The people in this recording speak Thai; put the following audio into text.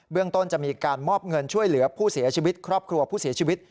เรื่องต้นจะมีการมอบเงินช่วยเหลือผู้เสียชีวิตครอบครัวผู้เสียชีวิต